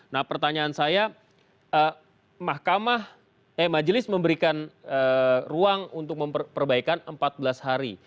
nah pertanyaan saya mahkamah eh majelis memberikan ruang untuk perbaikan empat belas hari